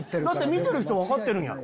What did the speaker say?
見てる人分かってるんやろ？